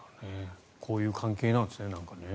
こういう関係なんですね。